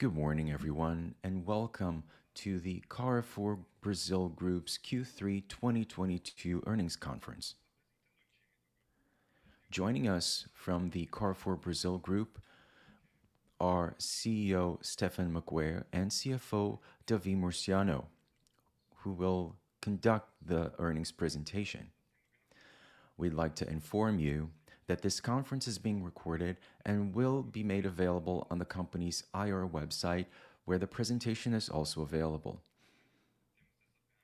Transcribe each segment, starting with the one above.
Good morning, everyone, and welcome to the Grupo Carrefour Brasil Q3 2022 Earnings Conference. Joining us from the Grupo Carrefour Brasil are CEO Stéphane Maquaire and CFO David Murciano, who will conduct the earnings presentation. We'd like to inform you that this conference is being recorded and will be made available on the company's IR website, where the presentation is also available.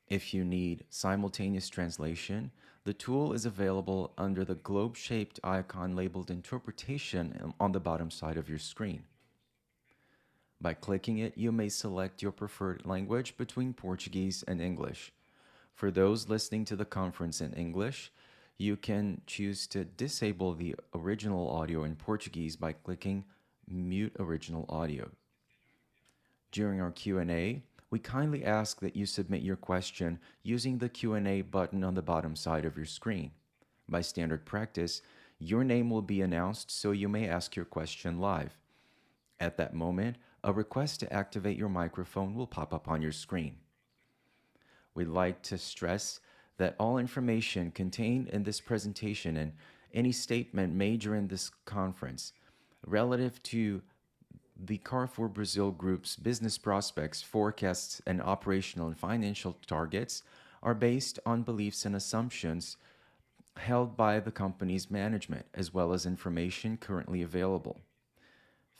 If you need simultaneous translation, the tool is available under the globe-shaped icon labeled Interpretation on the bottom side of your screen. By clicking it, you may select your preferred language between Portuguese and English. For those listening to the conference in English, you can choose to disable the original audio in Portuguese by clicking mute original audio. During our Q and A, we kindly ask that you submit your question using the Q and A button on the bottom side of your screen. By standard practice, your name will be announced so you may ask your question live. At that moment, a request to activate your microphone will pop up on your screen. We'd like to stress that all information contained in this presentation and any statement made during this conference relative to the Carrefour Brazil Group's business prospects, forecasts, and operational and financial targets are based on beliefs and assumptions held by the company's management, as well as information currently available.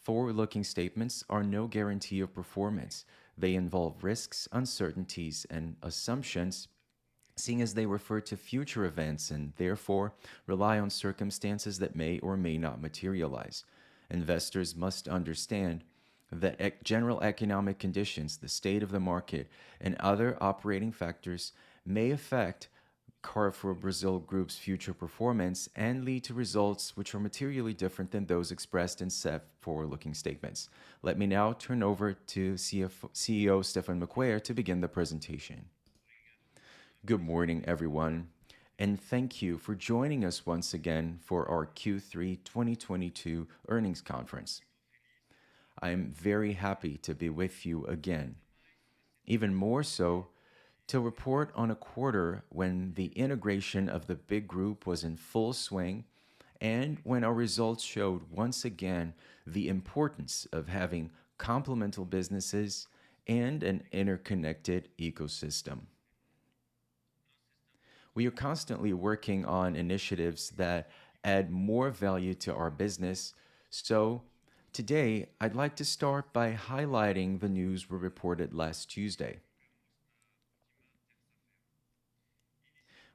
Forward-looking statements are no guarantee of performance. They involve risks, uncertainties, and assumptions, seeing as they refer to future events and therefore rely on circumstances that may or may not materialize. Investors must understand that general economic conditions, the state of the market, and other operating factors may affect Carrefour Brazil Group's future performance and lead to results which are materially different than those expressed in said forward-looking statements. Let me now turn over to CEO Stéphane Maquaire to begin the presentation. Good morning, everyone, and thank you for joining us once again for our Q3 2022 Earnings Conference. I am very happy to be with you again. Even more so to report on a quarter when the integration of Grupo BIG was in full swing and when our results showed, once again, the importance of having complementary businesses and an interconnected ecosystem. We are constantly working on initiatives that add more value to our business. Today, I'd like to start by highlighting the news we reported last Tuesday.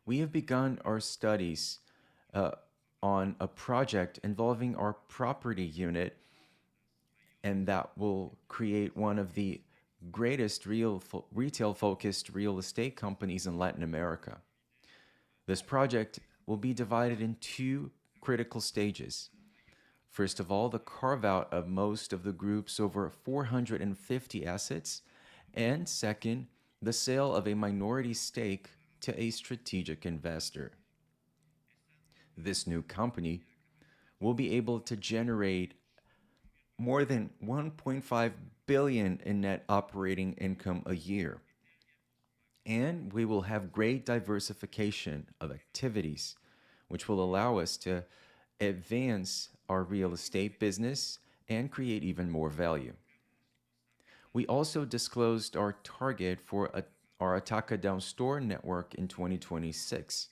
We have begun our studies on a project involving our property unit, and that will create one of the greatest retail-focused real estate companies in Latin America. This project will be divided in two critical stages. First of all, the carve-out of most of the group's over 450 assets and second, the sale of a minority stake to a strategic investor. This new company will be able to generate more than 1.5 billion in net operating income a year. We will have great diversification of activities, which will allow us to advance our real estate business and create even more value. We also disclosed our target for our Atacadão store network in 2026.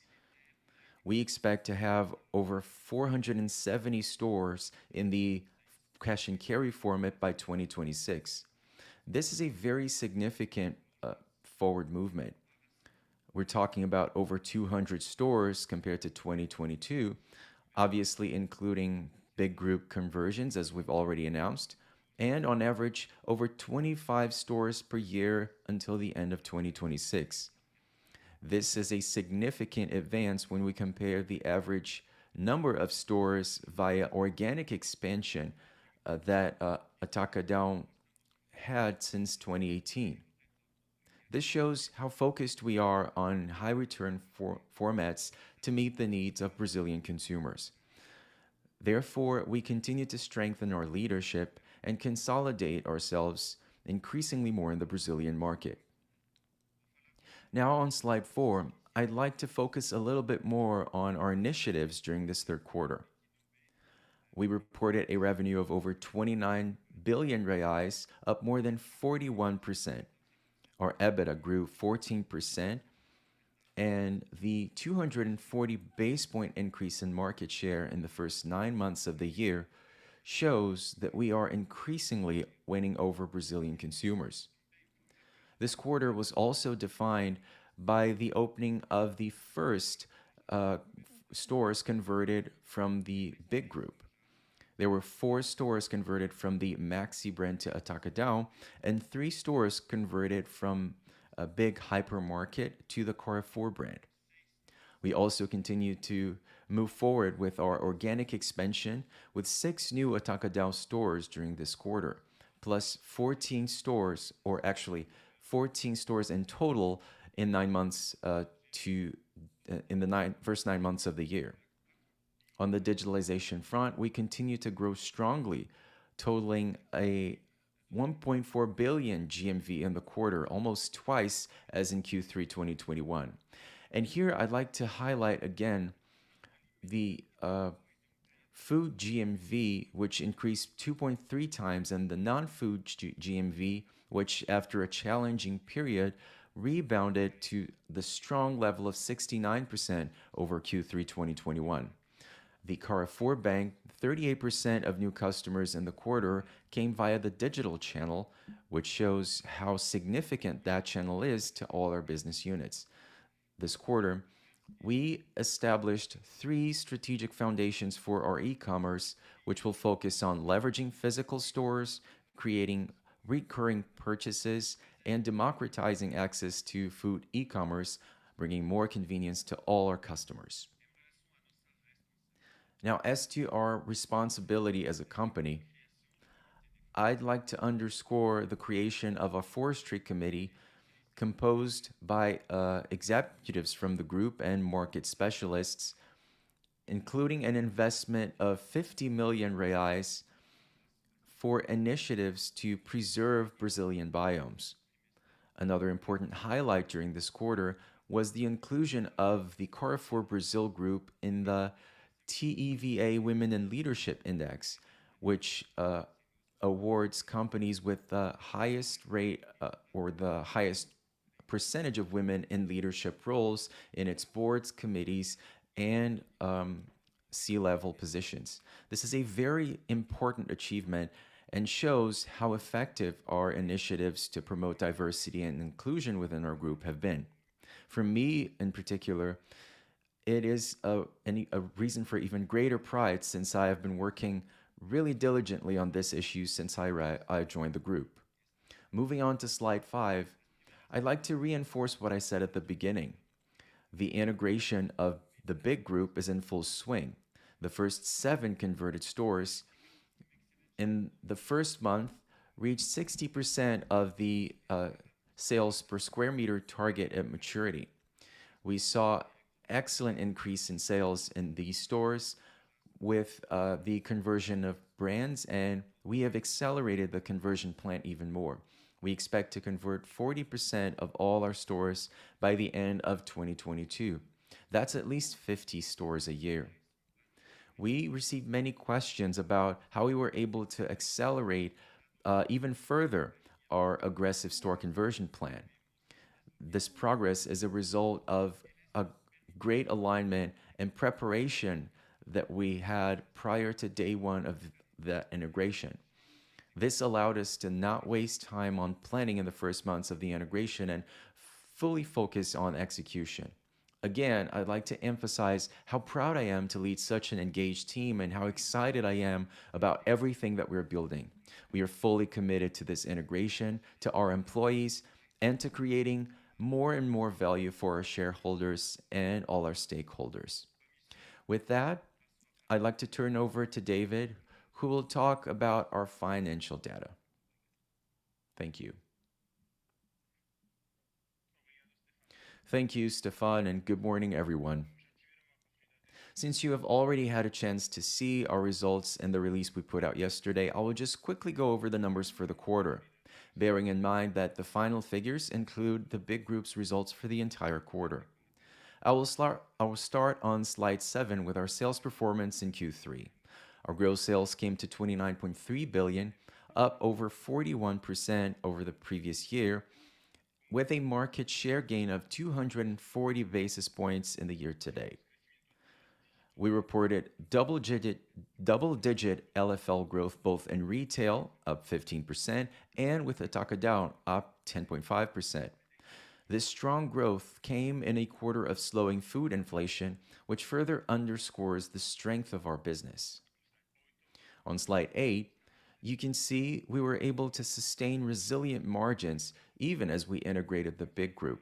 We expect to have over 470 stores in the cash and carry format by 2026. This is a very significant forward movement. We're talking about over 200 stores compared to 2022, obviously including Grupo BIG conversions as we've already announced, and on average, over 25 stores per year until the end of 2026. This is a significant advance when we compare the average number of stores via organic expansion that Atacadão had since 2018. This shows how focused we are on high return formats to meet the needs of Brazilian consumers. Therefore, we continue to strengthen our leadership and consolidate ourselves increasingly more in the Brazilian market. Now on slide four, I'd like to focus a little bit more on our initiatives during this third quarter. We reported a revenue of over 29 billion reais, up more than 41%. Our EBITDA grew 14%, and the 240 basis point increase in market share in the first nine months of the year shows that we are increasingly winning over Brazilian consumers. This quarter was also defined by the opening of the first stores converted from Grupo BIG. There were four stores converted from the Maxxi to Atacadão and three stores converted from a BIG hypermarket to the Carrefour brand. We also continue to move forward with our organic expansion with six new Atacadão stores during this quarter, plus 14 stores, or actually 14 stores in total in the first nine months of the year. On the digitalization front, we continue to grow strongly, totaling 1.4 billion GMV in the quarter, almost twice as in Q3 2021. Here I'd like to highlight again the food GMV, which increased 2.3 times, and the non-food GMV, which after a challenging period rebounded to the strong level of 69% over Q3 2021. The Carrefour Banque, 38% of new customers in the quarter came via the digital channel, which shows how significant that channel is to all our business units. This quarter, we established three strategic foundations for our e-commerce, which will focus on leveraging physical stores, creating recurring purchases, and democratizing access to food e-commerce, bringing more convenience to all our customers. Now, as to our responsibility as a company, I'd like to underscore the creation of a forestry committee composed by executives from the group and market specialists, including an investment of 50 million reais for initiatives to preserve Brazilian biomes. Another important highlight during this quarter was the inclusion of the Grupo Carrefour Brasil in the TEVA Women in Leadership Index, which awards companies with the highest rate or the highest percentage of women in leadership roles in its boards, committees, and C-level positions. This is a very important achievement and shows how effective our initiatives to promote diversity and inclusion within our group have been. For me, in particular, it is a reason for even greater pride since I have been working really diligently on this issue since I joined the group. Moving on to slide five, I'd like to reinforce what I said at the beginning. The integration of Grupo BIG is in full swing. The first seven converted stores in the first month reached 60% of the sales per square meter target at maturity. We saw excellent increase in sales in these stores with the conversion of brands, and we have accelerated the conversion plan even more. We expect to convert 40% of all our stores by the end of 2022. That's at least 50 stores a year. We received many questions about how we were able to accelerate even further our aggressive store conversion plan. This progress is a result of a great alignment and preparation that we had prior to day one of the integration. This allowed us to not waste time on planning in the first months of the integration and fully focus on execution. Again, I'd like to emphasize how proud I am to lead such an engaged team and how excited I am about everything that we're building. We are fully committed to this integration, to our employees, and to creating more and more value for our shareholders and all our stakeholders. With that, I'd like to turn over to David, who will talk about our financial data. Thank you. Thank you, Stéphane, and good morning, everyone. Since you have already had a chance to see our results in the release we put out yesterday, I will just quickly go over the numbers for the quarter, bearing in mind that the final figures include the Grupo BIG results for the entire quarter. I will start on slide seven with our sales performance in Q3. Our gross sales came to 29.3 billion, up over 41% over the previous year, with a market share gain of 240 basis points in the year to date. We reported double digit LFL growth both in retail, up 15%, and with Atacadão, up 10.5%. This strong growth came in a quarter of slowing food inflation, which further underscores the strength of our business. On slide eight, you can see we were able to sustain resilient margins even as we integrated the Grupo BIG.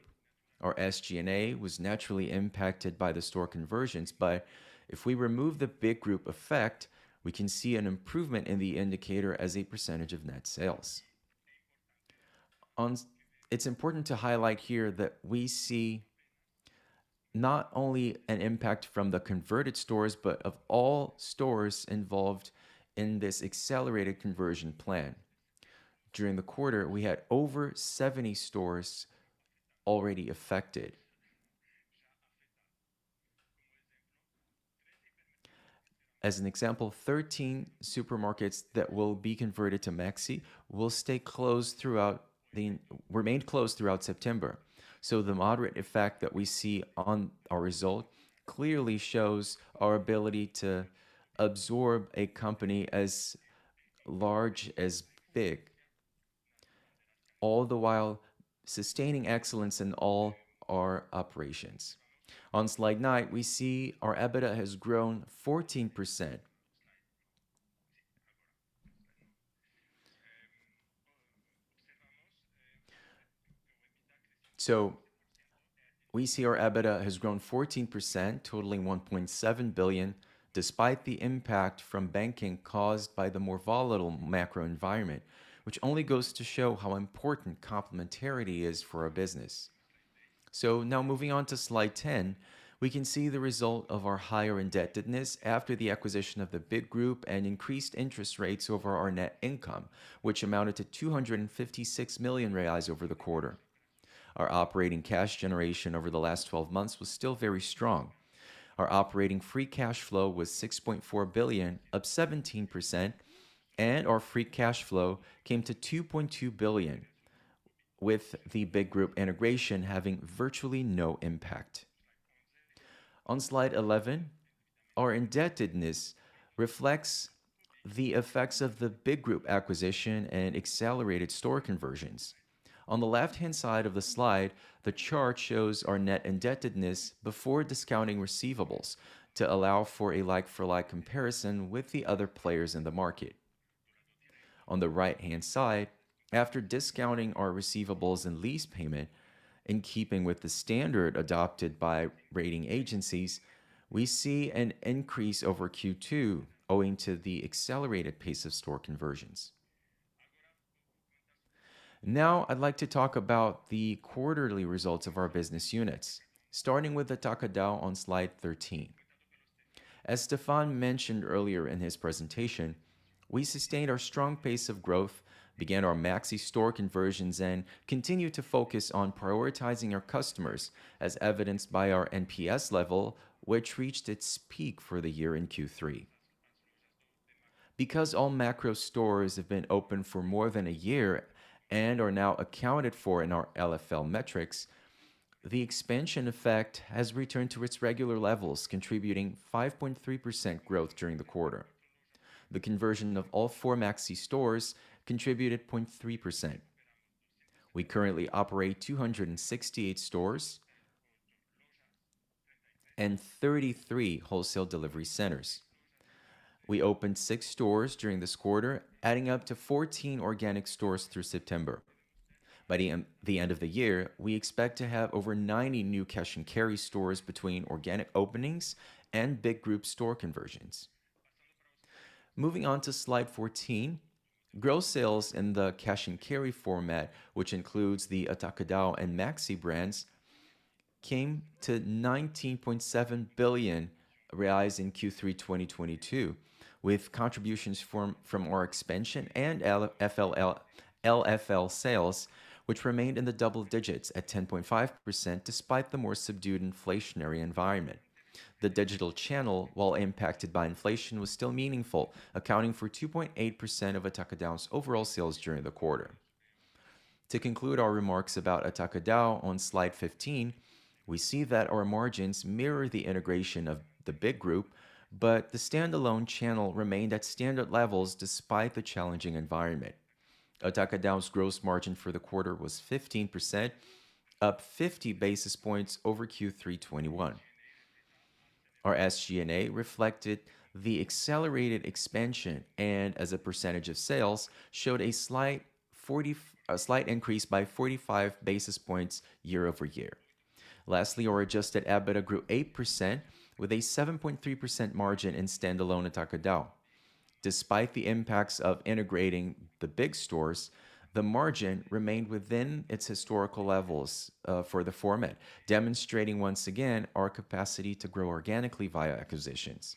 Our SG&A was naturally impacted by the store conversions, but if we remove the Grupo BIG effect, we can see an improvement in the indicator as a percentage of net sales. It's important to highlight here that we see not only an impact from the converted stores, but of all stores involved in this accelerated conversion plan. During the quarter, we had over 70 stores already affected. As an example, 13 supermarkets that will be converted to Maxxi remained closed throughout September. The moderate effect that we see on our result clearly shows our ability to absorb a company as large as Grupo BIG, all the while sustaining excellence in all our operations. On slide nine, we see our EBITDA has grown 14%. We see our EBITDA has grown 14%, totaling 1.7 billion, despite the impact from banking caused by the more volatile macro environment, which only goes to show how important complementarity is for our business. Now moving on to slide ten, we can see the result of our higher indebtedness after the acquisition of the Grupo BIG and increased interest rates over our net income, which amounted to 256 million reais over the quarter. Our operating cash generation over the last 12 months was still very strong. Our operating free cash flow was 6.4 billion, up 17%, and our free cash flow came to 2.2 billion with the Grupo BIG integration having virtually no impact. On slide 11, our indebtedness reflects the effects of the Grupo BIG acquisition and accelerated store conversions. On the left-hand side of the slide, the chart shows our net indebtedness before discounting receivables to allow for a like for like comparison with the other players in the market. On the right-hand side, after discounting our receivables and lease payment in keeping with the standard adopted by rating agencies, we see an increase over Q2 owing to the accelerated pace of store conversions. Now I'd like to talk about the quarterly results of our business units, starting with the Atacadão on slide 13. As Stéphane Maquaire mentioned earlier in his presentation, we sustained our strong pace of growth, began our Maxxi store conversions and continued to focus on prioritizing our customers as evidenced by our NPS level, which reached its peak for the year in Q3. Because all Maxxi stores have been open for more than a year and are now accounted for in our LFL metrics, the expansion effect has returned to its regular levels, contributing 5.3% growth during the quarter. The conversion of all four Maxxi stores contributed 0.3%. We currently operate 268 stores and 33 wholesale delivery centers. We opened six stores during this quarter, adding up to 14 organic stores through September. By the end of the year, we expect to have over 90 new cash and carry stores between organic openings and Grupo BIG store conversions. Moving on to slide 14, gross sales in the cash and carry format, which includes the Atacadão and Maxxi brands, came to 19.7 billion reais in Q3 2022 with contributions from our expansion and LFL sales, which remained in the double digits at 10.5% despite the more subdued inflationary environment. The digital channel, while impacted by inflation, was still meaningful, accounting for 2.8% of Atacadão's overall sales during the quarter. To conclude our remarks about Atacadão on slide 15, we see that our margins mirror the integration of Grupo BIG, but the standalone channel remained at standard levels despite the challenging environment. Atacadão's gross margin for the quarter was 15%, up 50 basis points over Q3 2021. Our SG&A reflected the accelerated expansion and as a percentage of sales, showed a slight increase by 45 basis points year-over-year. Lastly, our Adjusted EBITDA grew 8% with a 7.3% margin in standalone Atacadão. Despite the impacts of integrating the BIG stores, the margin remained within its historical levels for the format, demonstrating once again our capacity to grow organically via acquisitions.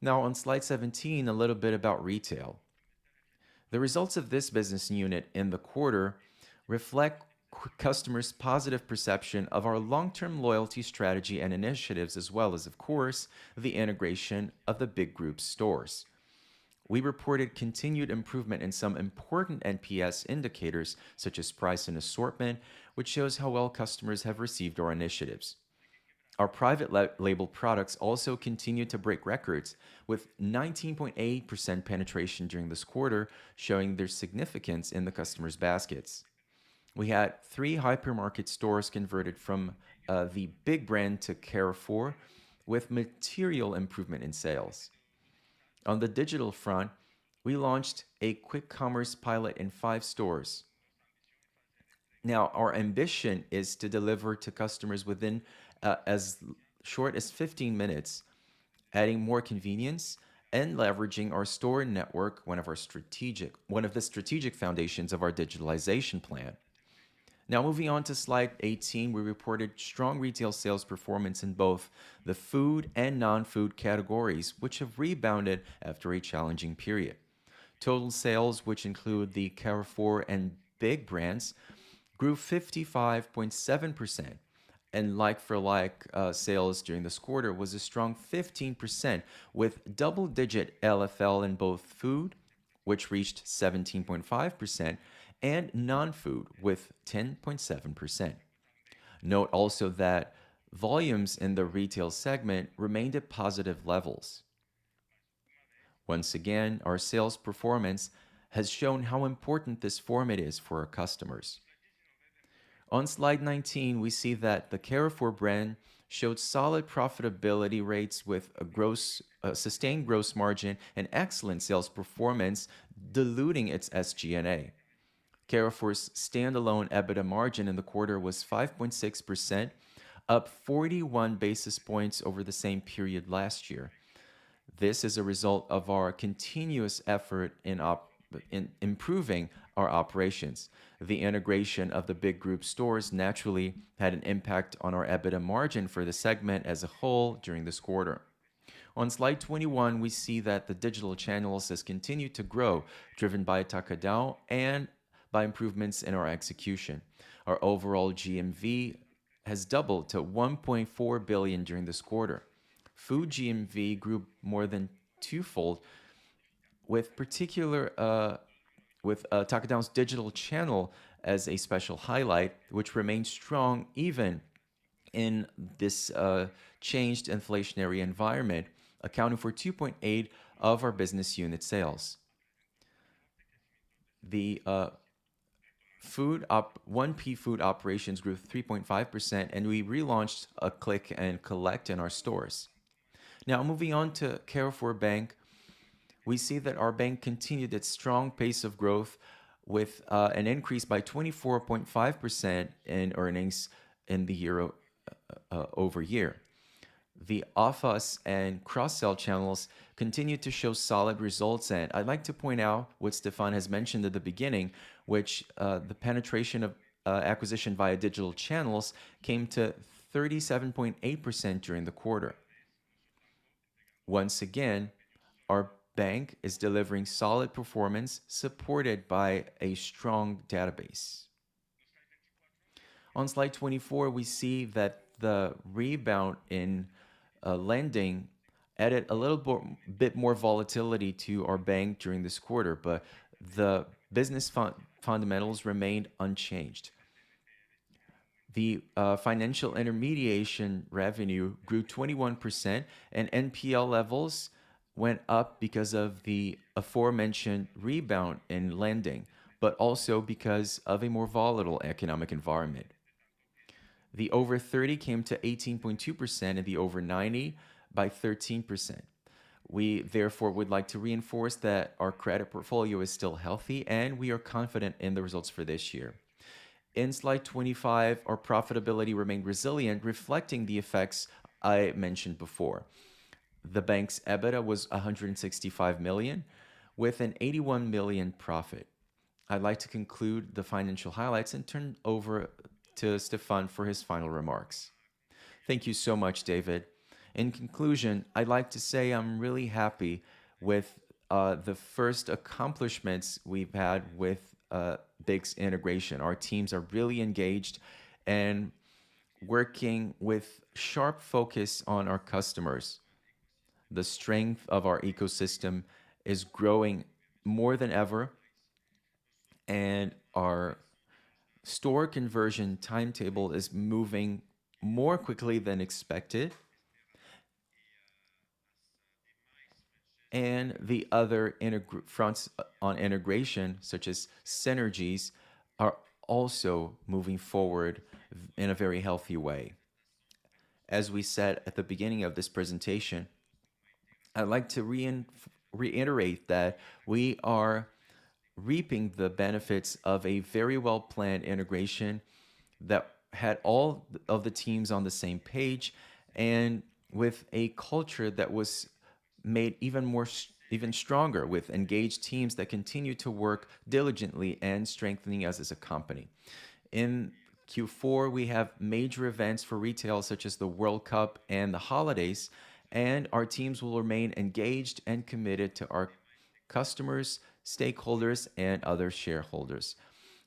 Now on slide 17, a little bit about retail. The results of this business unit in the quarter reflect customers' positive perception of our long-term loyalty strategy and initiatives as well as, of course, the integration of the BIG group stores. We reported continued improvement in some important NPS indicators such as price and assortment, which shows how well customers have received our initiatives. Our private label products also continued to break records with 19.8% penetration during this quarter, showing their significance in the customers' baskets. We had three hypermarket stores converted from the BIG brand to Carrefour with material improvement in sales. On the digital front, we launched a quick commerce pilot in five stores. Now our ambition is to deliver to customers within as short as 15 minutes, adding more convenience and leveraging our store network, one of the strategic foundations of our digitalization plan. Now moving on to slide 18, we reported strong retail sales performance in both the food and non-food categories, which have rebounded after a challenging period. Total sales, which include the Carrefour and BIG brands, grew 55.7% and like-for-like sales during this quarter was a strong 15% with double-digit LFL in both food, which reached 17.5% and non-food with 10.7%. Note also that volumes in the retail segment remained at positive levels. Once again, our sales performance has shown how important this format is for our customers. On slide 19, we see that the Carrefour brand showed solid profitability rates with a gross, sustained gross margin and excellent sales performance diluting its SG&A. Carrefour's standalone EBITDA margin in the quarter was 5.6%, up 41 basis points over the same period last year. This is a result of our continuous effort in improving our operations. The integration of the Grupo BIG stores naturally had an impact on our EBITDA margin for the segment as a whole during this quarter. On slide 21, we see that the digital channels has continued to grow, driven by Atacadão and by improvements in our execution. Our overall GMV has doubled to 1.4 billion during this quarter. Food GMV grew more than twofold, with Atacadão's digital channel as a special highlight, which remains strong even in this changed inflationary environment, accounting for 2.8% of our business unit sales. The 1P food operations grew 3.5%, and we relaunched click and collect in our stores. Now moving on to Carrefour Banque, we see that our bank continued its strong pace of growth with an increase by 24.5% in earnings year-over-year. The Offers and Cross-Sell channels continued to show solid results, and I'd like to point out what Stéphane has mentioned at the beginning, which the penetration of acquisition via digital channels came to 37.8% during the quarter. Once again, our bank is delivering solid performance supported by a strong database. On slide 24, we see that the rebound in lending added a little bit more volatility to our bank during this quarter, but the business fundamentals remained unchanged. The financial intermediation revenue grew 21%, and NPL levels went up because of the aforementioned rebound in lending, but also because of a more volatile economic environment. The over 30 came to 18.2% and the over 90 by 13%. We therefore would like to reinforce that our credit portfolio is still healthy, and we are confident in the results for this year. In slide 25, our profitability remained resilient, reflecting the effects I mentioned before. The bank's EBITDA was 165 million, with an 81 million profit. I'd like to conclude the financial highlights and turn over to Stéphane for his final remarks. Thank you so much, David. In conclusion, I'd like to say I'm really happy with the first accomplishments we've had with BIG's integration. Our teams are really engaged and working with sharp focus on our customers. The strength of our ecosystem is growing more than ever, and our store conversion timetable is moving more quickly than expected. The other fronts on integration, such as synergies, are also moving forward in a very healthy way. As we said at the beginning of this presentation, I'd like to reiterate that we are reaping the benefits of a very well-planned integration that had all of the teams on the same page and with a culture that was made even stronger with engaged teams that continue to work diligently and strengthening us as a company. In Q4, we have major events for retail, such as the World Cup and the holidays, and our teams will remain engaged and committed to our customers, stakeholders, and other shareholders.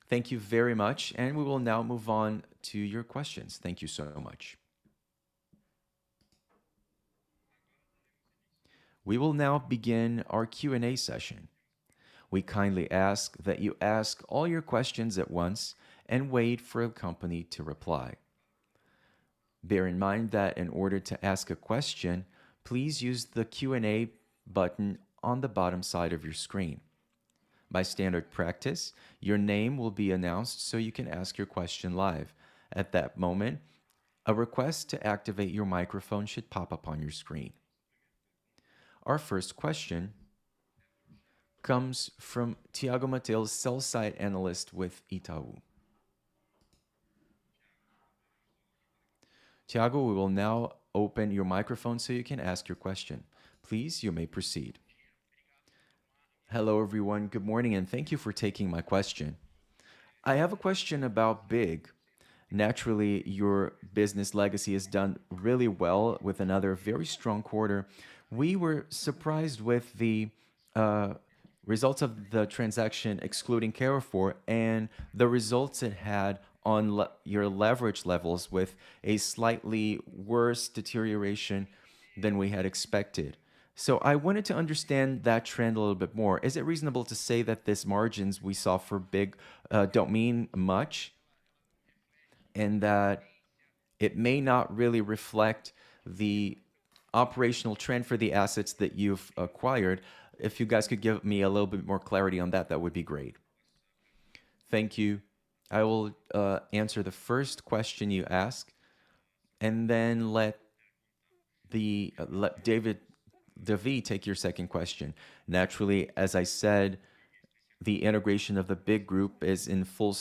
Thank you very much, and we will now move on to your questions. Thank you so much. We will now begin our Q and A session. We kindly ask that you ask all your questions at once and wait for a company to reply. Bear in mind that in order to ask a question, please use the Q and A button on the bottom side of your screen. By standard practice, your name will be announced so you can ask your question live. At that moment, a request to activate your microphone should pop up on your screen. Our first question comes from Thiago Macruz, Sell-Side Analyst with Itaú. Thiago, we will now open your microphone so you can ask your question. Please, you may proceed. Hello, everyone. Good morning, and thank you for taking my question. I have a question about BIG. Naturally, your business legacy has done really well with another very strong quarter. We were surprised with the results of the transaction excluding Carrefour and the results it had on your leverage levels with a slightly worse deterioration than we had expected. I wanted to understand that trend a little bit more. Is it reasonable to say that these margins we saw for BIG don't mean much and that it may not really reflect the operational trend for the assets that you've acquired? If you guys could give me a little bit more clarity on that would be great. Thank you. I will answer the first question you ask and then let David take your second question. Naturally, as I said. The integration of the BIG group is in full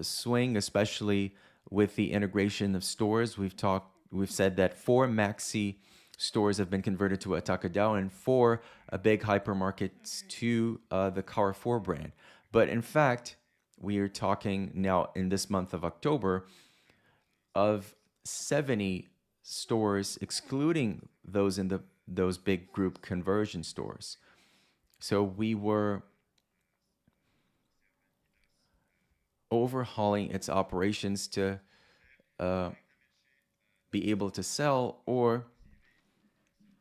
swing, especially with the integration of stores. We've said that four Maxxi stores have been converted to a Atacadão and four BIG hypermarkets to the Carrefour brand. In fact, we are talking now in this month of October of 70 stores, excluding those BIG group conversion stores. We were overhauling its operations to be able to sell, or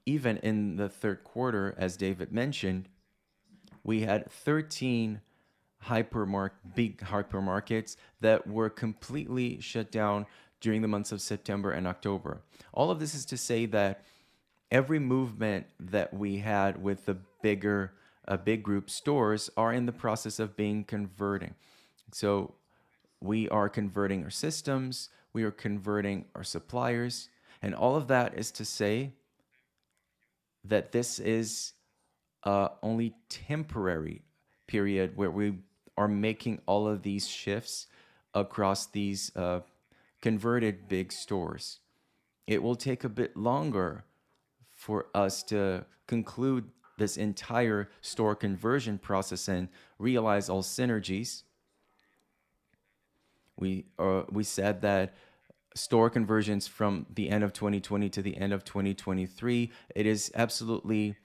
even in the third quarter, as David mentioned, we had 13 BIG hypermarkets that were completely shut down during the months of September and October. All of this is to say that every movement that we had with the BIG group stores are in the process of being converting. We are converting our systems, we are converting our suppliers, and all of that is to say that this is only temporary period where we are making all of these shifts across these converted BIG stores. It will take a bit longer for us to conclude this entire store conversion process and realize all synergies. We said that store conversions from the end of 2020 to the end of 2023. It is absolutely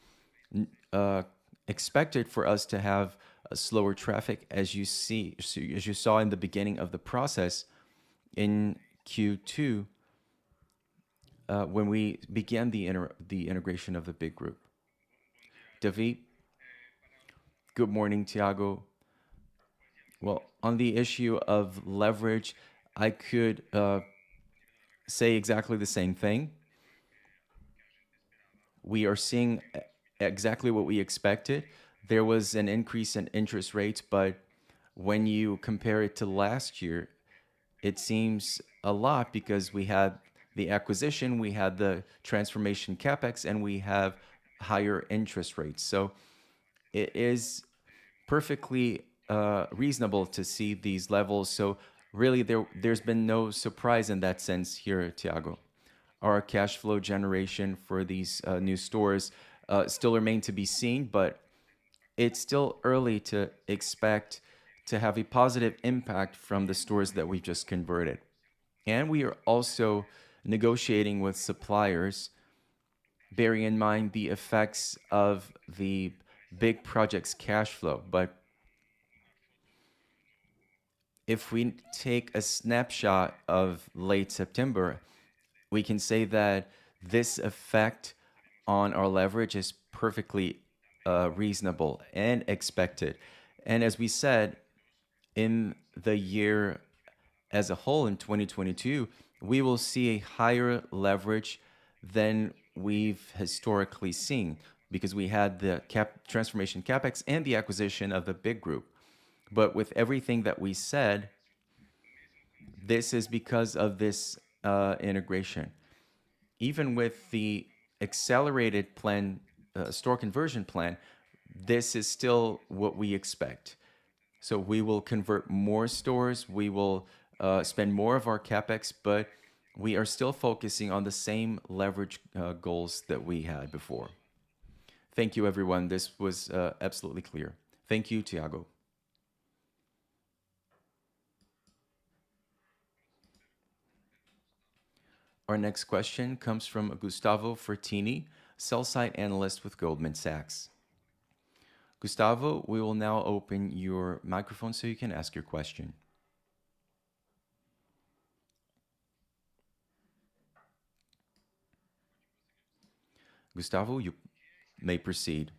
expected for us to have a slower traffic as you saw in the beginning of the process in Q2, when we began the integration of the BIG group. David? Good morning, Thiago. Well, on the issue of leverage, I could say exactly the same thing. We are seeing exactly what we expected. There was an increase in interest rates, but when you compare it to last year, it seems a lot because we had the acquisition, we had the transformation CapEx, and we have higher interest rates. It is perfectly reasonable to see these levels. Really there's been no surprise in that sense here, Thiago. Our cash flow generation for these new stores still remain to be seen, but it's still early to expect to have a positive impact from the stores that we just converted. We are also negotiating with suppliers, bearing in mind the effects of the BIG project's cash flow. If we take a snapshot of late September, we can say that this effect on our leverage is perfectly reasonable and expected. As we said, in the year as a whole, in 2022, we will see a higher leverage than we've historically seen because we had the CapEx transformation and the acquisition of Grupo BIG. With everything that we said, this is because of this integration. Even with the accelerated plan, store conversion plan, this is still what we expect. We will convert more stores, we will spend more of our CapEx, but we are still focusing on the same leverage goals that we had before. Thank you, everyone. This was absolutely clear. Thank you, Thiago. Our next question comes from Gustavo Frattini, Sell-Side Analyst, Goldman Sachs. Gustavo, we will now open your microphone so you can ask your question. Gustavo, you may proceed.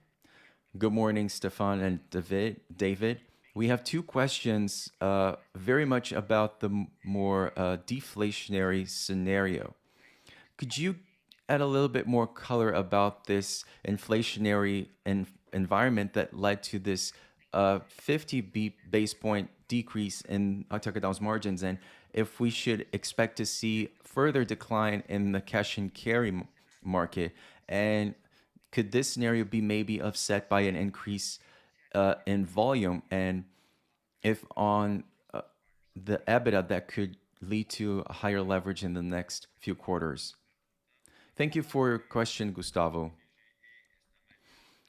Good morning, Stéphane and David. We have two questions, very much about the more deflationary scenario. Could you add a little bit more color about this inflationary environment that led to this 50 basis point decrease in Atacadão's margins, and if we should expect to see further decline in the cash and carry market, and could this scenario be maybe offset by an increase in volume and if on the EBITDA that could lead to a higher leverage in the next few quarters? Thank you for your question, Gustavo.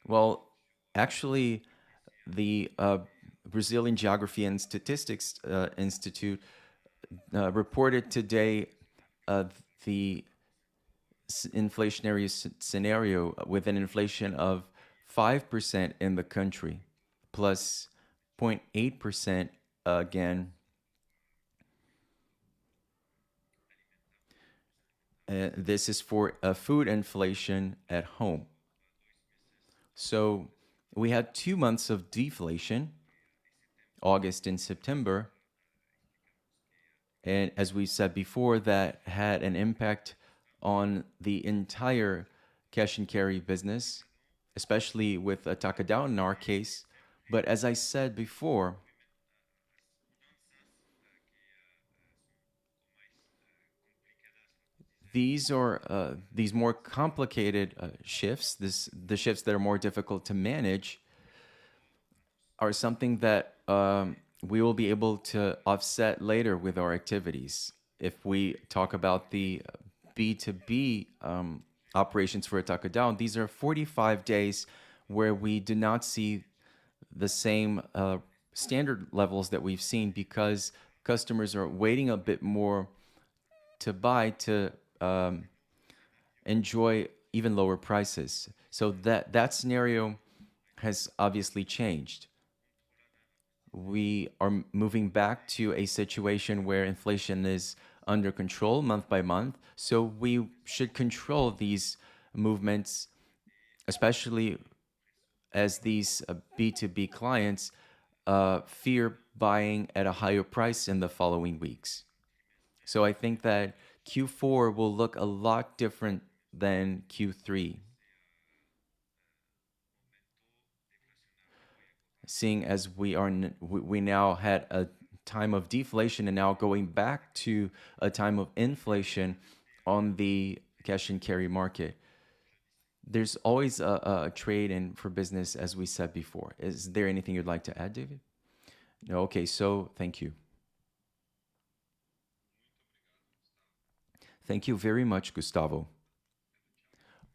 Well, actually, the Brazilian Institute of Geography and Statistics reported today of the inflationary scenario with an inflation of 5% in the country plus 0.8% again. This is for food inflation at home. We had two months of deflation, August and September, and as we said before, that had an impact on the entire cash and carry business, especially with Atacadão in our case. As I said before, these are more complicated shifts, the shifts that are more difficult to manage are something that we will be able to offset later with our activities. If we talk about the B2B operations for Atacadão, these are 45 days where we do not see the same standard levels that we've seen because customers are waiting a bit more to buy to enjoy even lower prices. That scenario has obviously changed. We are moving back to a situation where inflation is under control month by month, so we should control these movements, especially as these B2B clients fear buying at a higher price in the following weeks. I think that Q4 will look a lot different than Q3. Seeing as we now had a time of deflation and now going back to a time of inflation on the cash and carry market, there's always a trade in for business as we said before. Is there anything you'd like to add, David? No. Okay. Thank you. Thank you very much, Gustavo.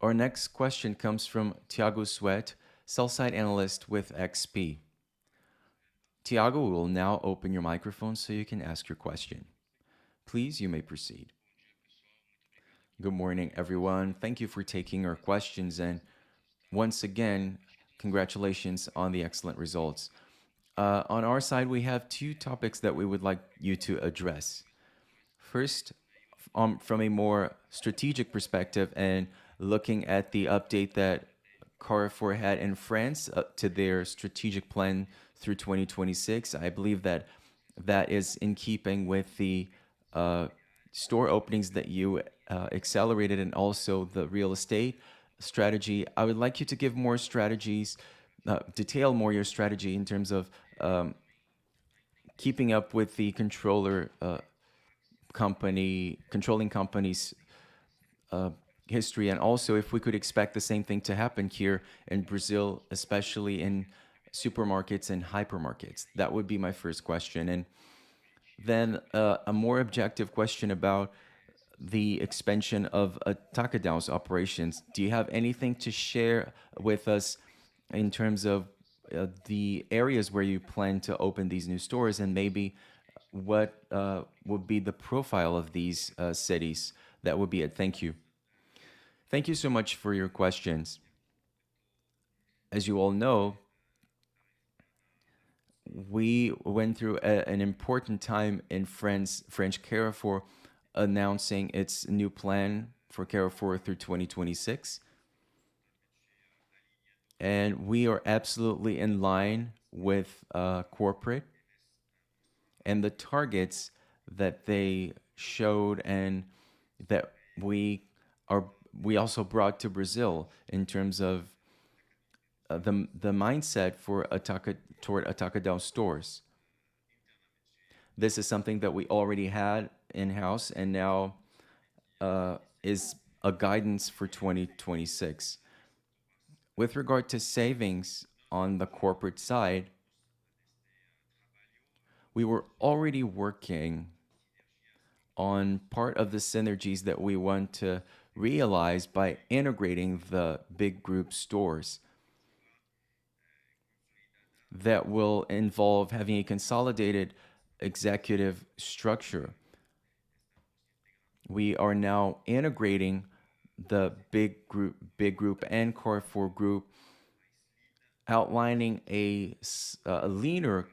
Our next question comes from Thiago Suedt, Sell-Side Analyst with XP. Thiago, we will now open your microphone so you can ask your question. Please, you may proceed. Good morning, everyone. Thank you for taking our questions, and once again, congratulations on the excellent results. On our side, we have two topics that we would like you to address. First, from a more strategic perspective and looking at the update that Carrefour had in France to their strategic plan through 2026, I believe that is in keeping with the store openings that you accelerated and also the real estate strategy. I would like you to give more strategies, detail more your strategy in terms of keeping up with the controlling company’s history and also if we could expect the same thing to happen here in Brazil, especially in supermarkets and hypermarkets. That would be my first question. Then, a more objective question about the expansion of Atacadão's operations. Do you have anything to share with us in terms of, the areas where you plan to open these new stores and maybe what, would be the profile of these, cities? That would be it. Thank you. Thank you so much for your questions. As you all know, we went through an important time in France, Carrefour France announcing its new plan for Carrefour through 2026. We are absolutely in line with corporate and the targets that they showed and that we also brought to Brazil in terms of, the mindset toward Atacadão stores. This is something that we already had in-house and now, is a guidance for 2026. With regard to savings on the corporate side, we were already working on part of the synergies that we want to realize by integrating the Grupo BIG stores that will involve having a consolidated executive structure. We are now integrating the Grupo BIG and Carrefour Group, outlining a leaner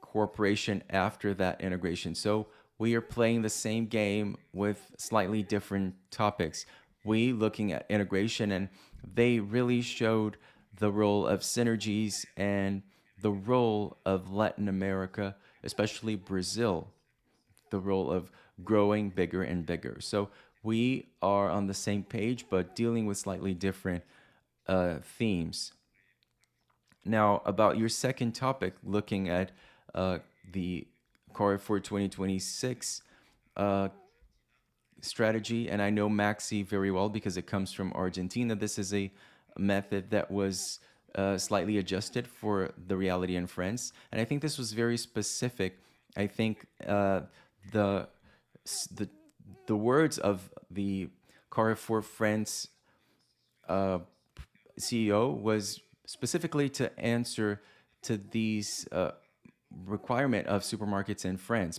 corporation after that integration. We are playing the same game with slightly different topics, we looking at integration, and they really showed the role of synergies and the role of Latin America, especially Brazil, the role of growing bigger and bigger. We are on the same page, but dealing with slightly different themes. Now, about your second topic, looking at the Carrefour 2026 strategy, and I know Maxxi very well because it comes from Argentina. This is a method that was slightly adjusted for the reality in France, and I think this was very specific. I think the words of the Carrefour France CEO was specifically to answer to these requirements of supermarkets in France.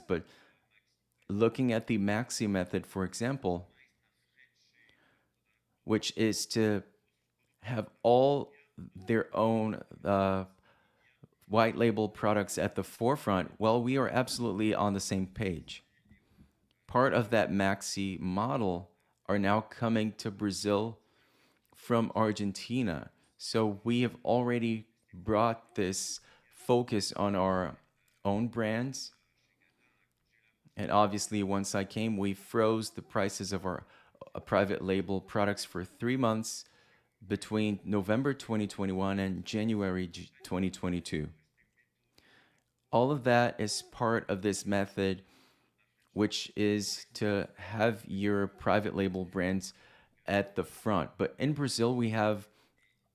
Looking at the Maxxi method, for example, which is to have all their own white label products at the forefront, well, we are absolutely on the same page. Part of that Maxxi model are now coming to Brazil from Argentina, so we have already brought this focus on our own brands. Obviously, once I came, we froze the prices of our private label products for three months between November 2021 and January 2022. All of that is part of this method, which is to have your private label brands at the front. In Brazil, we have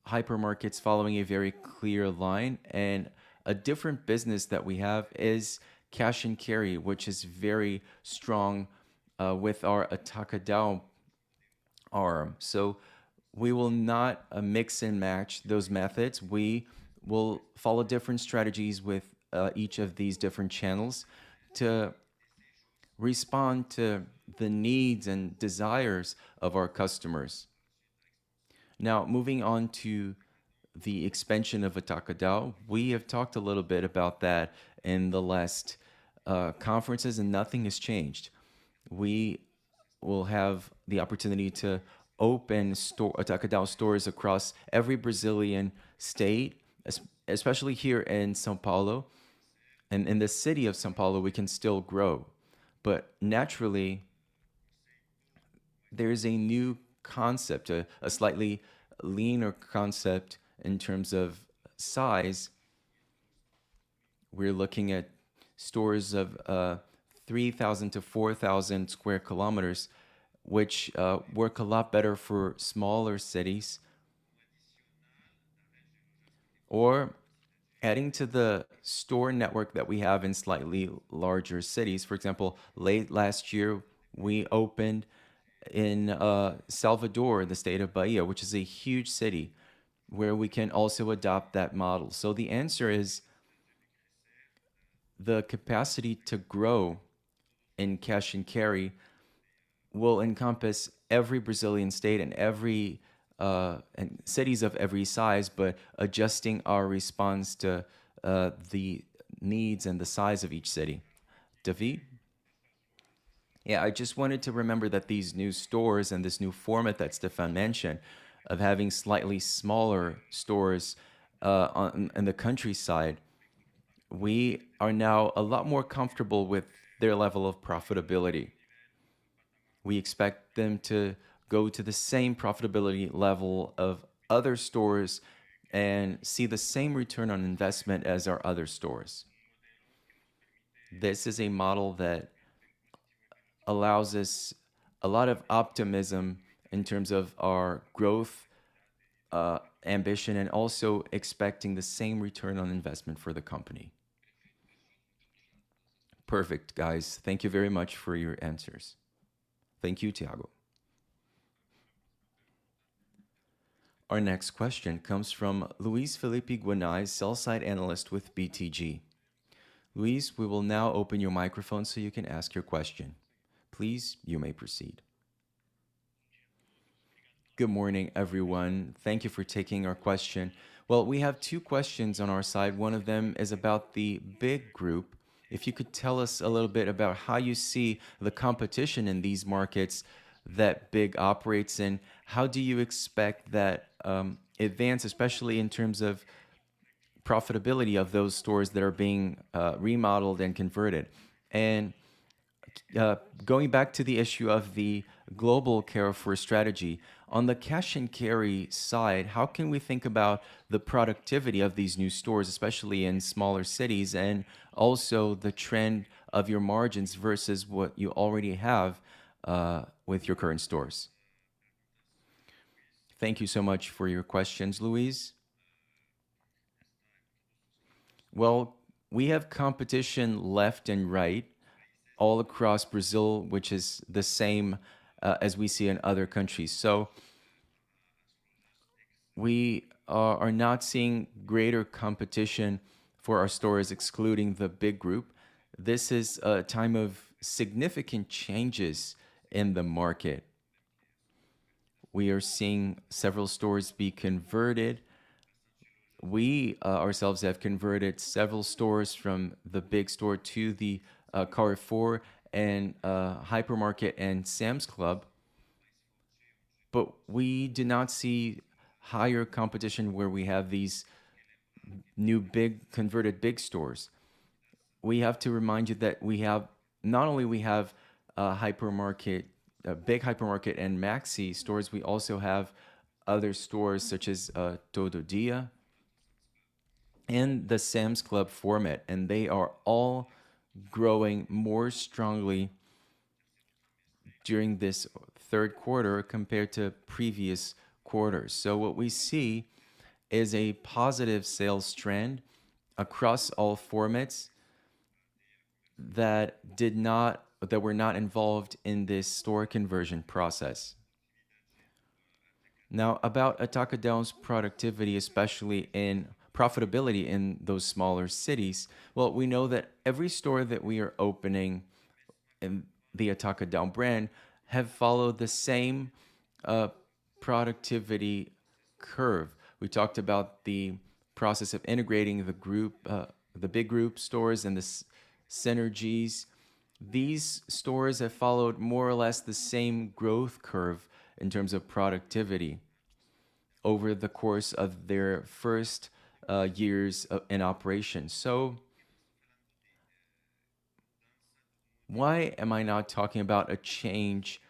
hypermarkets following a very clear line, and a different business that we have is cash and carry, which is very strong, with our Atacadão arm. We will not mix and match those methods. We will follow different strategies with each of these different channels to respond to the needs and desires of our customers. Now, moving on to the expansion of Atacadão. We have talked a little bit about that in the last conferences, and nothing has changed. We will have the opportunity to open Atacadão stores across every Brazilian state, especially here in São Paulo. In the city of São Paulo, we can still grow. Naturally, there is a new concept, a slightly leaner concept in terms of size. We're looking at stores of 3,000-4,000 square meters, which work a lot better for smaller cities or adding to the store network that we have in slightly larger cities. For example, late last year, we opened in Salvador, in the state of Bahia, which is a huge city where we can also adopt that model. The answer is, the capacity to grow in cash and carry will encompass every Brazilian state and cities of every size, but adjusting our response to the needs and the size of each city. David? Yeah. I just wanted to remember that these new stores and this new format that Stéphane mentioned of having slightly smaller stores in the countryside, we are now a lot more comfortable with their level of profitability. We expect them to go to the same profitability level of other stores and see the same return on investment as our other stores. This is a model that allows us a lot of optimism in terms of our growth, ambition, and also expecting the same return on investment for the company. Perfect, guys. Thank you very much for your answers. Thank you, Thiago. Our next question comes from Luiz Felipe Guanais, Sell-Side Analyst with BTG. Luiz, we will now open your microphone so you can ask your question. Please, you may proceed. Good morning, everyone. Thank you for taking our question. Well, we have two questions on our side. One of them is about the Grupo BIG. If you could tell us a little bit about how you see the competition in these markets that BIG operates in. How do you expect that advance, especially in terms of profitability of those stores that are being remodeled and converted? And going back to the issue of the global Carrefour strategy, on the cash-and-carry side, how can we think about the productivity of these new stores, especially in smaller cities, and also the trend of your margins versus what you already have with your current stores? Thank you so much for your questions, Luiz. Well, we have competition left and right all across Brazil, which is the same as we see in other countries. We are not seeing greater competition for our stores, excluding the Grupo BIG. This is a time of significant changes in the market. We are seeing several stores be converted. We ourselves have converted several stores from the BIG store to the Carrefour and hypermarket and Sam's Club, but we do not see higher competition where we have these new BIG, converted BIG stores. We have to remind you that we have, not only we have a hypermarket, a BIG hypermarket and Maxxi stores, we also have other stores such as Todo Dia and the Sam's Club format, and they are all growing more strongly during this third quarter compared to previous quarters. What we see is a positive sales trend across all formats that were not involved in this store conversion process. Now, about Atacadão's productivity, especially in profitability in those smaller cities. Well, we know that every store that we are opening in the Atacadão brand have followed the same productivity curve. We talked about the process of integrating the group, the Grupo BIG stores and the synergies. These stores have followed more or less the same growth curve in terms of productivity over the course of their first years in operation. Why am I not talking about a change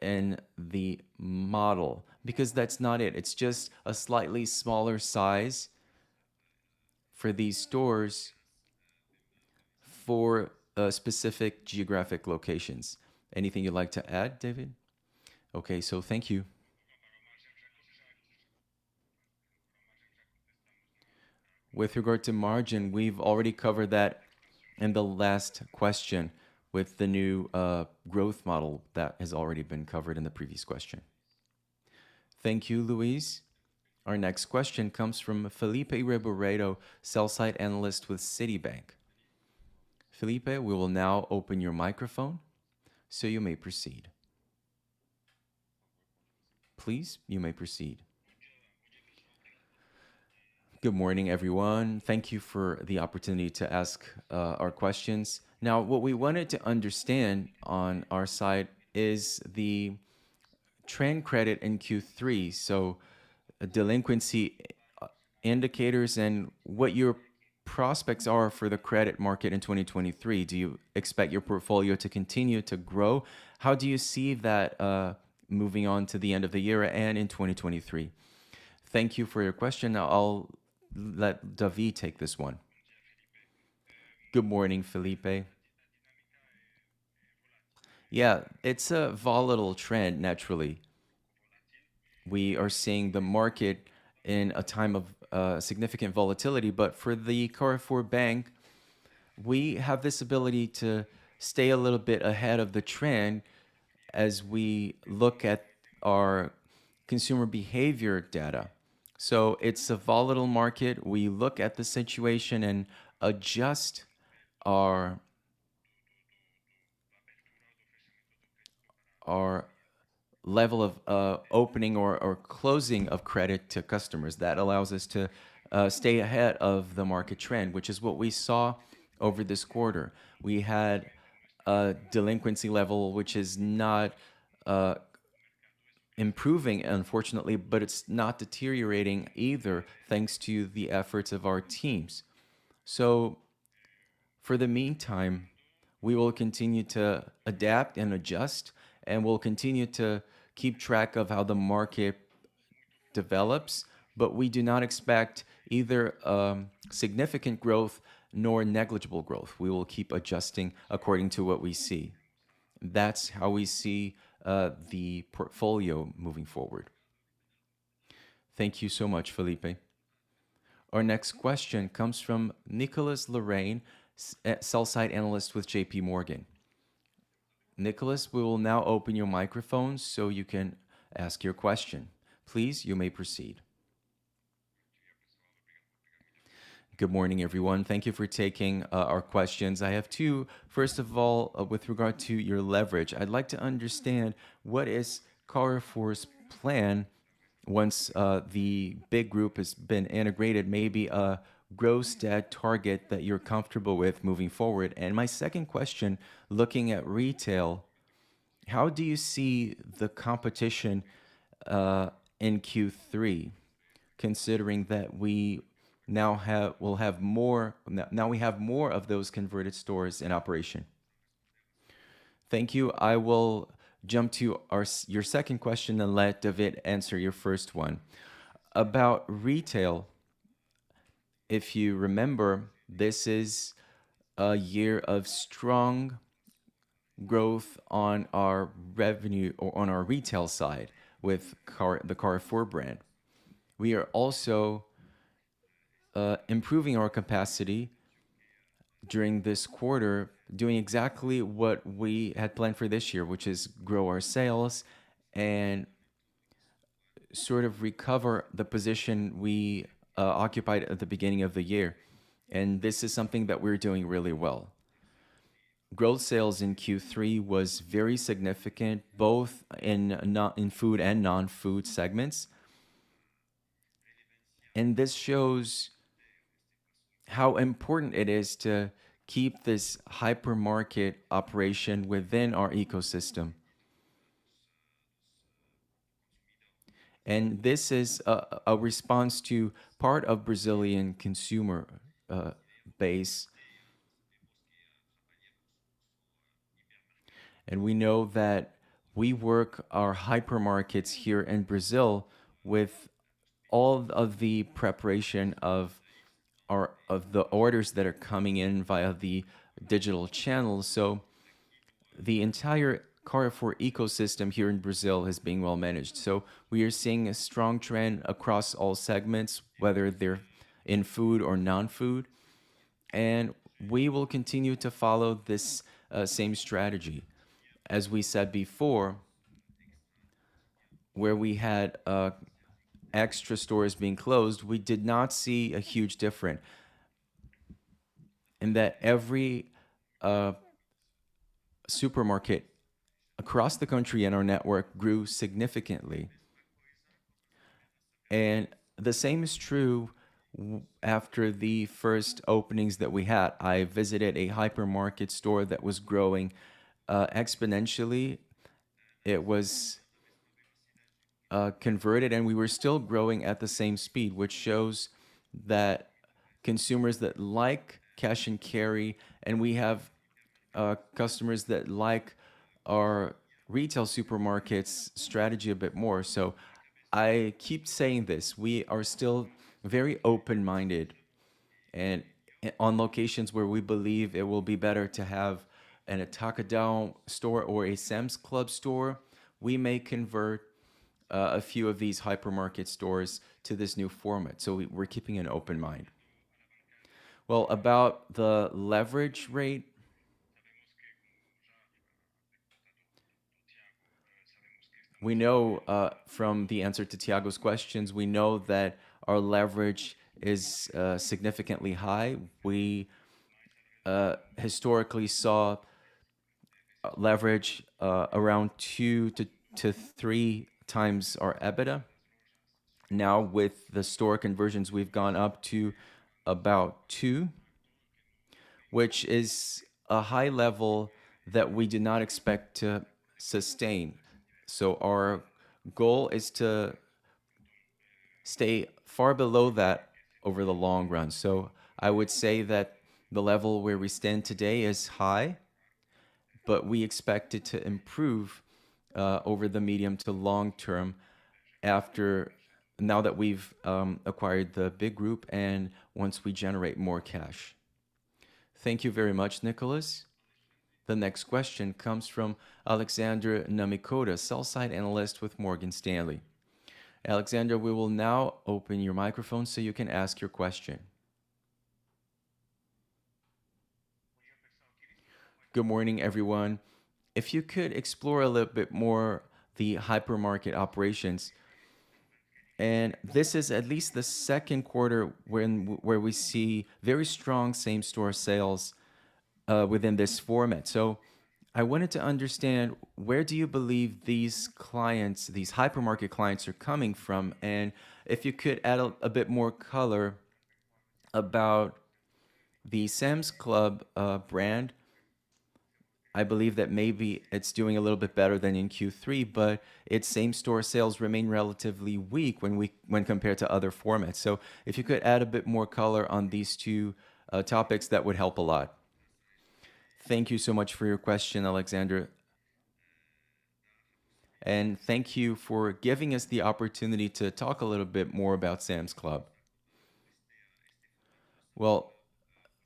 in the model? Because that's not it. It's just a slightly smaller size for these stores for specific geographic locations. Anything you'd like to add, David? Okay, thank you. With regard to margin, we've already covered that in the last question with the new growth model that has already been covered in the previous question. Thank you, Luis. Our next question comes from Felipe Reboredo, Sell-Side Analyst with Citibank. Felipe, we will now open your microphone so you may proceed. Please, you may proceed. Good morning, everyone. Thank you for the opportunity to ask our questions. Now, what we wanted to understand on our side is the credit trend in Q3, so delinquency indicators and what your prospects are for the credit market in 2023. Do you expect your portfolio to continue to grow? How do you see that moving on to the end of the year and in 2023? Thank you for your question. I'll let David take this one. Good morning, Felipe. Yeah, it's a volatile trend, naturally. We are seeing the market in a time of significant volatility. For the Carrefour Banque, we have this ability to stay a little bit ahead of the trend as we look at our consumer behavior data. It's a volatile market. We look at the situation and adjust our level of opening or closing of credit to customers. That allows us to stay ahead of the market trend, which is what we saw over this quarter. We had a delinquency level, which is not improving, unfortunately, but it's not deteriorating either, thanks to the efforts of our teams. For the meantime, we will continue to adapt and adjust, and we'll continue to keep track of how the market develops, but we do not expect either significant growth nor negligible growth. We will keep adjusting according to what we see. That's how we see the portfolio moving forward. Thank you so much, Felipe. Our next question comes from Nicolas Lorrain, Sell-Side Analyst with JPMorgan. Nicholas, we will now open your microphone so you can ask your question. Please, you may proceed. Good morning, everyone. Thank you for taking our questions. I have two. First of all, with regard to your leverage, I'd like to understand what is Carrefour's plan once, the Grupo BIG has been integrated, maybe a gross debt target that you're comfortable with moving forward. My second question, looking at retail, how do you see the competition in Q3, considering that we now have more of those converted stores in operation? Thank you. I will jump to your second question and let David answer your first one. About retail, if you remember, this is a year of strong growth on our revenue, or on our retail side with the Carrefour brand. We are also improving our capacity during this quarter, doing exactly what we had planned for this year, which is grow our sales and sort of recover the position we occupied at the beginning of the year, and this is something that we're doing really well. Gross sales in Q3 was very significant, both in food and non-food segments. This shows how important it is to keep this hypermarket operation within our ecosystem. This is a response to part of Brazilian consumer base. We know that we work our hypermarkets here in Brazil with all of the preparation of the orders that are coming in via the digital channels. The entire Carrefour ecosystem here in Brazil is being well managed. We are seeing a strong trend across all segments, whether they're in food or non-food, and we will continue to follow this same strategy. As we said before, where we had extra stores being closed, we did not see a huge difference in that every supermarket across the country in our network grew significantly. The same is true after the first openings that we had. I visited a hypermarket store that was growing exponentially. It was converted and we were still growing at the same speed, which shows that consumers that like cash and carry, and we have customers that like our retail supermarkets strategy a bit more. I keep saying this: We are still very open-minded and on locations where we believe it will be better to have an Atacadão store or a Sam's Club store, we may convert a few of these hypermarket stores to this new format. We're keeping an open mind. Well, about the leverage rate, we know from the answer to Thiago's questions, we know that our leverage is significantly high. We historically saw leverage around two to three times our EBITDA. Now, with the store conversions, we've gone up to about two, which is a high level that we do not expect to sustain. Our goal is to stay far below that over the long run. I would say that the level where we stand today is high, but we expect it to improve over the medium to long term, now that we've acquired the Grupo BIG and once we generate more cash. Thank you very much, Nicolas. The next question comes from Alexandre Namioka, Sell-Side Analyst with Morgan Stanley. Alexandre, we will now open your microphone so you can ask your question. Good morning, everyone. If you could explore a little bit more the hypermarket operations, and this is at least the second quarter where we see very strong same-store sales within this format. I wanted to understand, where do you believe these clients, these hypermarket clients are coming from? And if you could add a bit more color about the Sam's Club brand. I believe that maybe it's doing a little bit better than in Q3, but its same-store sales remain relatively weak when compared to other formats. If you could add a bit more color on these two topics, that would help a lot. Thank you so much for your question, Alexandre. Thank you for giving us the opportunity to talk a little bit more about Sam's Club. Well,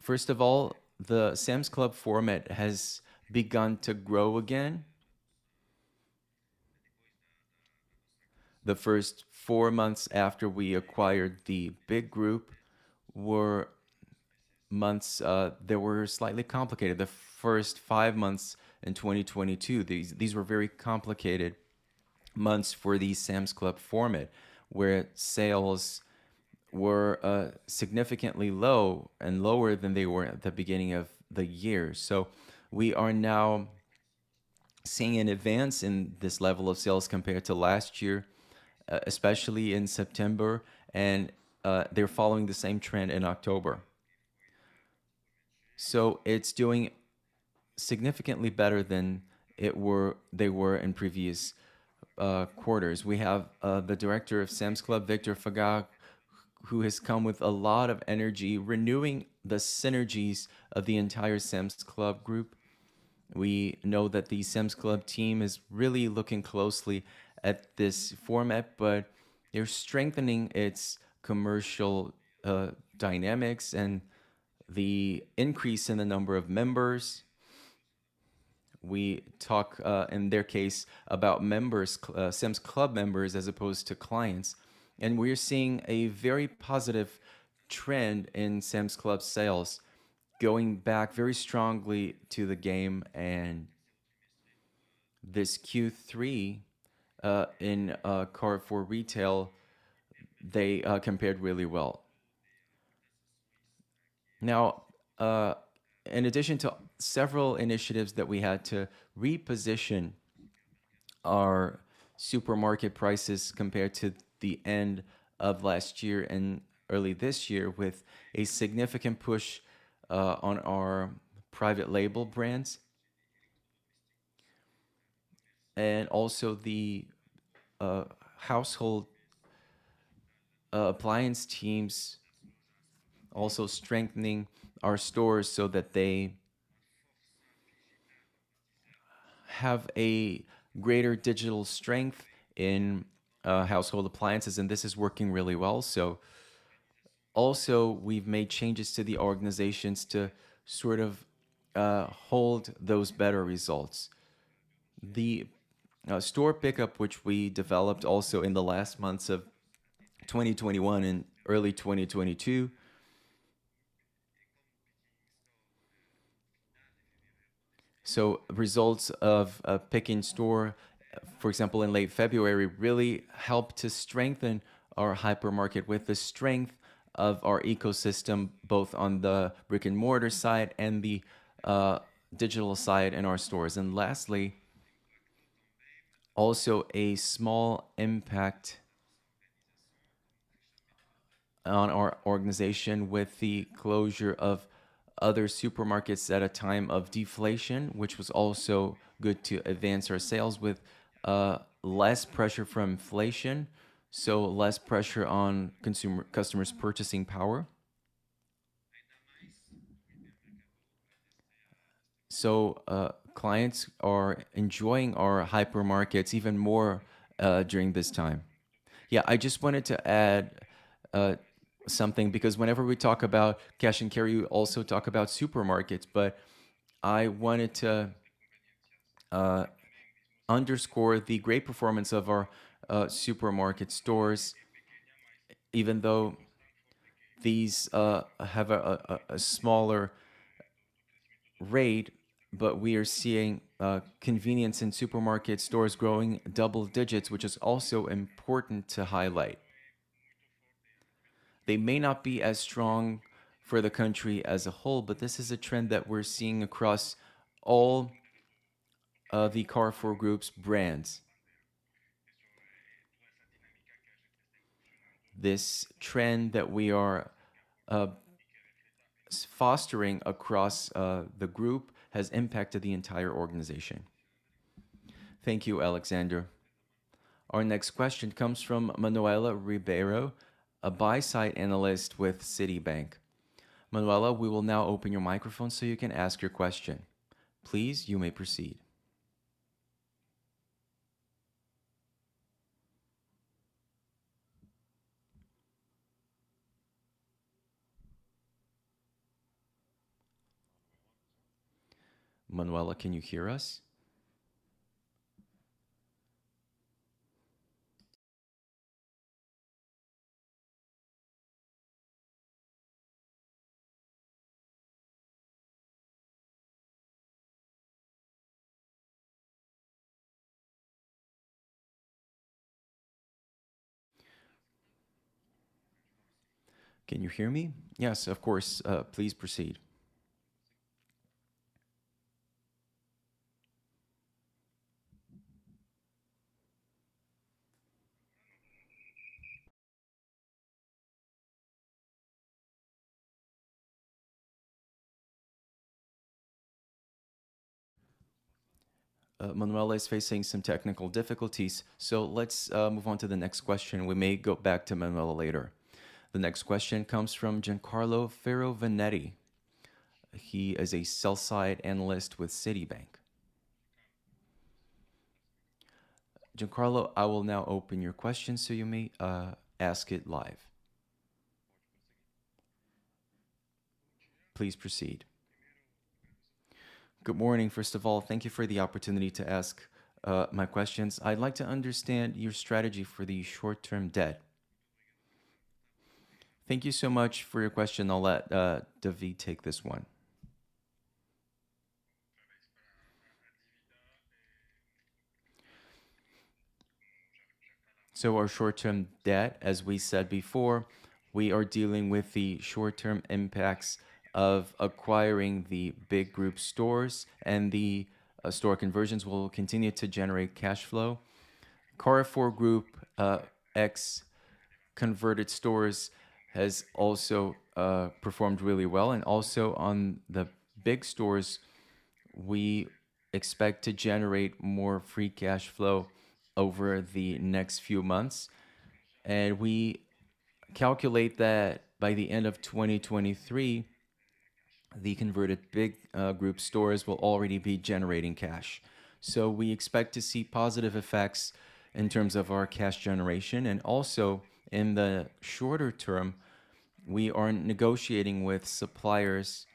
first of all, the Sam's Club format has begun to grow again. The first four months after we acquired the Grupo BIG were months that were slightly complicated. The first five months in 2022, these were very complicated months for the Sam's Club format, where sales were significantly low and lower than they were at the beginning of the year. We are now seeing an advance in this level of sales compared to last year, especially in September, and they're following the same trend in October. It's doing significantly better than they were in previous quarters. We have the director of Sam's Club, Vitor Fagá, who has come with a lot of energy renewing the synergies of the entire Sam's Club group. We know that the Sam's Club team is really looking closely at this format, but they're strengthening its commercial dynamics and the increase in the number of members. We talk in their case about members, Sam's Club members as opposed to clients, and we're seeing a very positive trend in Sam's Club sales going back very strongly to the game. This Q3 in Carrefour Retail, they compared really well. Now, in addition to several initiatives that we had to reposition our supermarket prices compared to the end of last year and early this year with a significant push on our private label brands. The household appliance teams also strengthening our stores so that they have a greater digital strength in household appliances, and this is working really well. We've made changes to the organizations to sort of hold those better results. The store pickup, which we developed also in the last months of 2021 and early 2022. Results of pick in store, for example, in late February, really helped to strengthen our hypermarket with the strength of our ecosystem, both on the brick-and-mortar side and the digital side in our stores. Lastly, also a small impact on our organization with the closure of other supermarkets at a time of deflation, which was also good to advance our sales with less pressure from inflation, so less pressure on customers' purchasing power. Clients are enjoying our hypermarkets even more during this time. I just wanted to add something because whenever we talk about cash and carry, we also talk about supermarkets, but I wanted to underscore the great performance of our supermarket stores, even though these have a smaller rate, but we are seeing convenience and supermarket stores growing double digits, which is also important to highlight. They may not be as strong for the country as a whole, but this is a trend that we're seeing across all of the Carrefour Group's brands. This trend that we are fostering across the group has impacted the entire organization. Thank you, Alexandre. Our next question comes from Manuela Ribeiro, a buy-side analyst with Citibank. Manuela, we will now open your microphone so you can ask your question. Please, you may proceed. Manuela, can you hear us? Can you hear me? Yes, of course. Please proceed. Manuela is facing some technical difficulties, so let's move on to the next question. We may go back to Manuela later. The next question comes from Giancarlo Piovanetti. He is a sell-side analyst with Citibank. Giancarlo, I will now open your question so you may ask it live. Please proceed. Good morning. First of all, thank you for the opportunity to ask my questions. I'd like to understand your strategy for the short-term debt. Thank you so much for your question. I'll let David take this one. Our short-term debt, as we said before, we are dealing with the short-term impacts of acquiring the Grupo BIG stores, and the store conversions will continue to generate cash flow. Carrefour Group ex converted stores has also performed really well, and also on the Grupo BIG stores, we expect to generate more free cash flow over the next few months. We calculate that by the end of 2023, the converted Grupo BIG stores will already be generating cash. We expect to see positive effects in terms of our cash generation, and also in the shorter term, we are negotiating with suppliers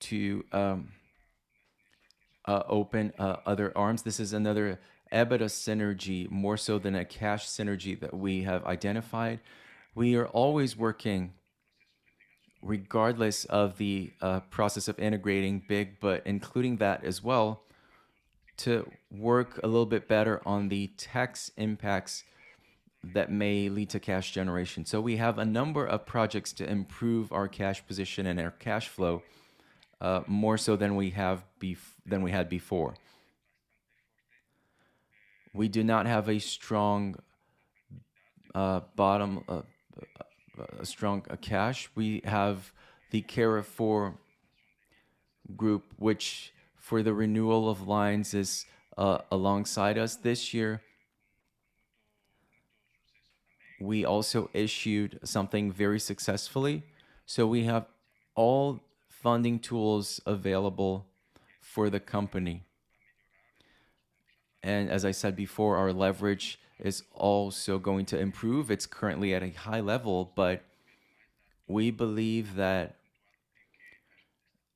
to open other arms. This is another EBITDA synergy more so than a cash synergy that we have identified. We are always working regardless of the process of integrating BIG, but including that as well, to work a little bit better on the tax impacts that may lead to cash generation. We have a number of projects to improve our cash position and our cash flow, more so than we had before. We do not have a strong cash. We have the Carrefour Group, which for the renewal of lines is alongside us this year. We also issued something very successfully, so we have all funding tools available for the company. As I said before, our leverage is also going to improve. It's currently at a high level, but we believe that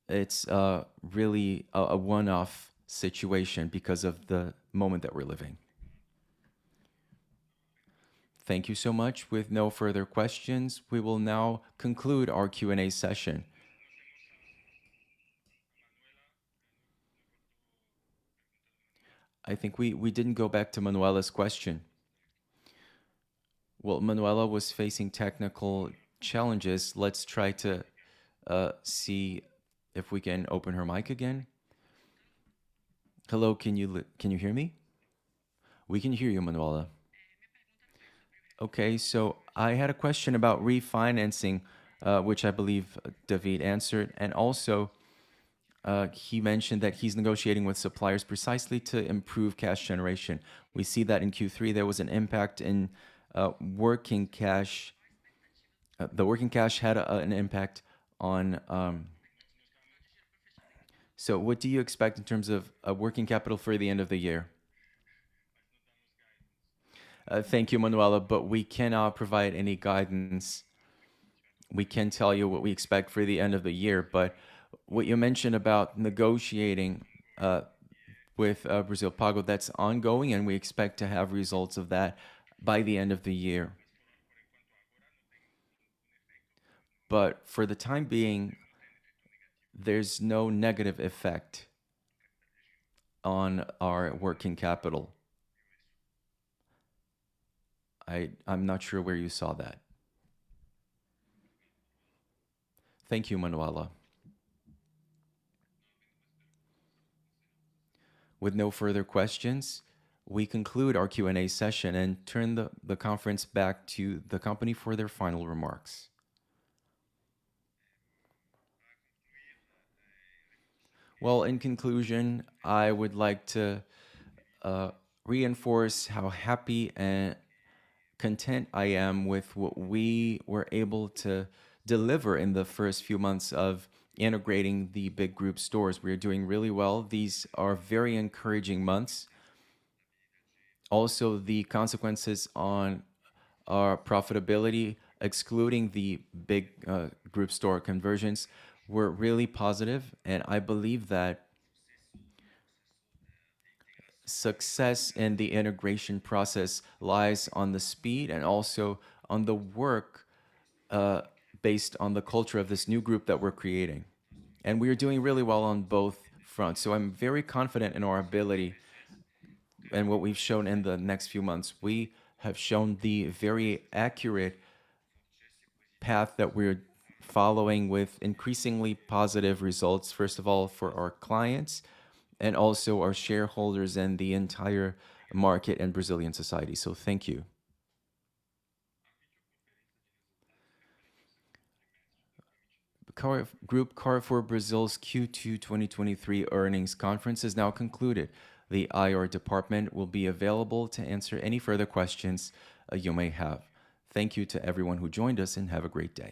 it's really a one-off situation because of the moment that we're living. Thank you so much. With no further questions, we will now conclude our Q and A session. I think we didn't go back to Manuela's question. Well, Manuela was facing technical challenges. Let's try to see if we can open her mic again. Hello, can you hear me? We can hear you, Manuela. Okay, so I had a question about refinancing, which I believe David answered. Also, he mentioned that he's negotiating with suppliers precisely to improve cash generation. We see that in Q3, there was an impact on working capital. What do you expect in terms of working capital for the end of the year? Thank you, Manuela, but we cannot provide any guidance. We can tell you what we expect for the end of the year, but what you mentioned about negotiating with Brasil Paggo, that's ongoing, and we expect to have results of that by the end of the year. For the time being, there's no negative effect on our working capital. I'm not sure where you saw that. Thank you, Manuela. With no further questions, we conclude our Q and A session and turn the conference back to the company for their final remarks. Well, in conclusion, I would like to reinforce how happy and content I am with what we were able to deliver in the first few months of integrating the Grupo BIG stores. We are doing really well. These are very encouraging months. Also, the consequences on our profitability, excluding the Grupo BIG store conversions, were really positive, and I believe that success in the integration process lies on the speed and also on the work based on the culture of this new group that we're creating. We are doing really well on both fronts, so I'm very confident in our ability and what we've shown in the next few months. We have shown the very accurate path that we're following with increasingly positive results, first of all, for our clients and also our shareholders and the entire market and Brazilian society, so thank you. The Grupo Carrefour Brasil's Q2 2023 earnings conference is now concluded. The IR department will be available to answer any further questions you may have. Thank you to everyone who joined us, and have a great day.